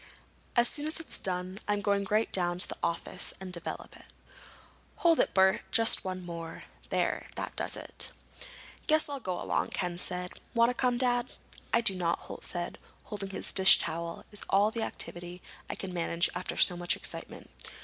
"As soon as it's done I'm going right down to the office and develop it. Hold it, Bert. Just one more. There, that does it." "Guess I'll go along," Ken said. "Want to come, Dad?" "I do not," Holt said. "Holding this dish towel is all the activity I can manage after so much excitement.